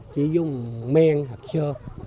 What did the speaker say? chỉ dùng men hoặc sơ